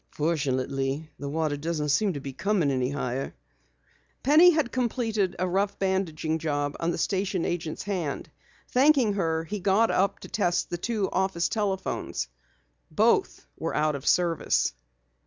"Fortunately, the water doesn't seem to be coming higher." Penny had completed a rough bandaging job on the station agent's hand. Thanking her, he got up to test the two office telephones. Both were out of service.